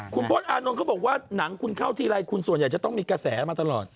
คุณโบ๊ทอานนท์ก็บอกว่านังคุณเข้าทีไรก็ต้องมีกระแสมาตลอด